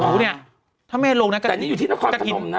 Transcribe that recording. อู๋เนี่ยถ้าแม่ลงเนี่ยกระถิ่นเต็มแน่นอนเนอะ